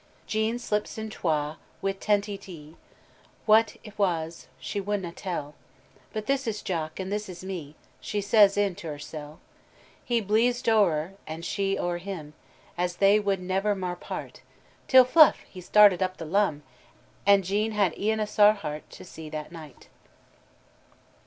"Jean slips in twa, wi' tentie e'e; Wha 't was, she wadna tell; But this is Jock, an' this is me, She says in to hersel; He bleez'd owre her, an' she owre him, As they wad never mair part; Till fuff! he started up the lum, And Jean had e'en a sair heart To see't that night."